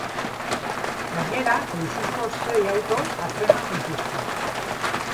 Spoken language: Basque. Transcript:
Gainera, luxuzko sei auto atzeman dituzte.